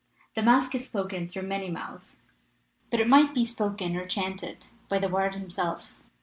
The masque is spoken through many mouths, but it might be spoken or chanted by the bard himself.